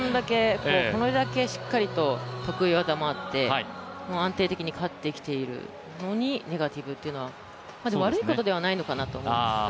これだけしっかりと得意技もあって、安定的に勝ってきているのにネガティブっていうのは悪いことではないのかなと思いますけど。